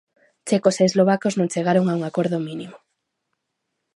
Checos e eslovacos non chegaron a un acordo mínimo.